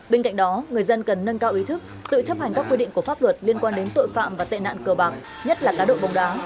bên cạnh đó người dân cần nâng cao ý thức tự chấp hành các quy định của pháp luật liên quan đến tội phạm và tệ nạn cờ bạc nhất là cá độ bóng đá